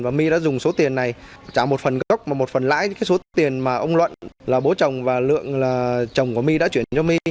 và my đã dùng số tiền này trả một phần gốc và một phần lãi số tiền mà ông luận là bố chồng và lượng là chồng của my đã chuyển cho my